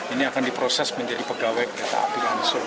ini akan diproses menjadi pegawai kereta api langsung